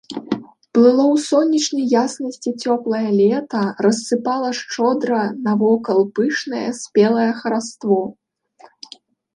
Плыло ў сонечнай яснасці цёплае лета, рассыпала шчодра навокал пышнае спелае хараство.